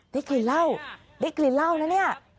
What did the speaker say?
ได้กลิ่นเหล้าได้กลิ่นเหล้านะเนี่ย